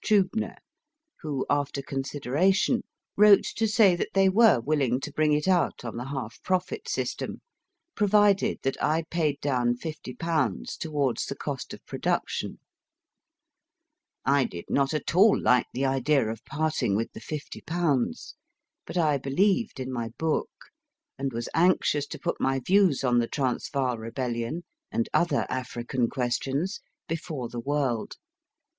Triibner, who, after consideration, wrote to say that they were willing to bring it out on the half profit system, provided that I paid H. RIDER HAGGARD down fifty pounds towards the cost of production. I did not at all like the idea of parting with the fifty pounds, but I be lieved in my book, and was anxious to put my views on the Transvaal rebellion and other African questions before the world.